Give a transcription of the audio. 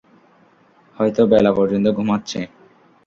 হয়তো বেলা পর্যন্ত ঘুমাচ্ছে।